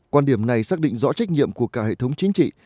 quan điểm này xác định rõ trách nhiệm của cả hệ thống chính trị